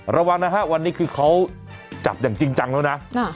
ระวังนะฮะวันนี้คือเขาจับอย่างจริงจังแล้วนะ